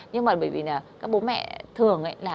nhưng mà bởi vì là các bố mẹ thường